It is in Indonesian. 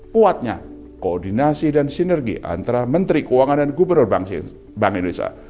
kuatnya koordinasi dan sinergi antara menteri keuangan dan gubernur bank indonesia